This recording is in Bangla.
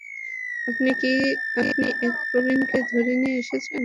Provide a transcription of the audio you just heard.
আপনি এক প্রবীণকে ধরে নিয়ে এসেছেন।